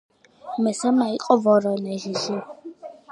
მესამე იყო ვორონეჟში.